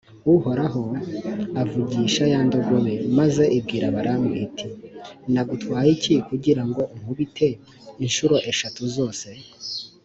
uhoraho avugisha ya ndogobe, maze ibwira balamu, iti «nagutwaye iki kugira ngo unkubite incuro eshatu zose?»